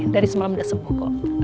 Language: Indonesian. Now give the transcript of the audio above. dari semalam sudah sembuh kok